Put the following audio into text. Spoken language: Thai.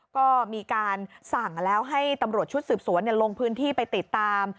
ก็มีการสั่งแล้วให้ตำรวจชุดสืบสวนลงพื้นที่ไปติดตาม